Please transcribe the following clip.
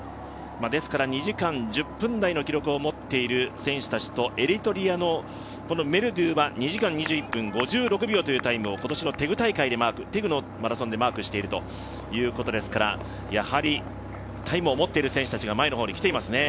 ですから２時間１０分台の記録を持っている選手とエリトリアのメルドゥは２時間２１分５６秒というタイムを今年のテグのマラソンでマークしているということですからタイムを持っている選手たちが前の方に来ていますね。